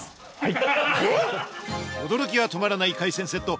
驚きが止まらない海鮮セット